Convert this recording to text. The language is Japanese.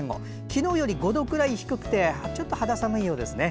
昨日より５度くらい低くてちょっと肌寒いようですね。